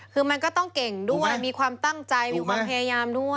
คือมันก็ต้องเก่งด้วยมีความตั้งใจมีความพยายามด้วย